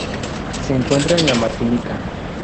Se encuentra en la Martinica.